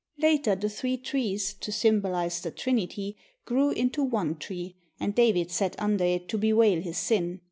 Later the three trees, to symbolize the Trinity, grew into one tree, and David sat under it to bewail his sin.